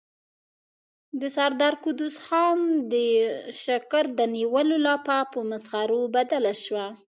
د سردار قدوس خان د سکر د نيولو لاپه په مسخرو بدله شوه.